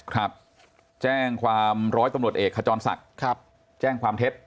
ครับแจ้งความร้อยตำรวจเอกขจรศักดิ์แจ้งความเท็จ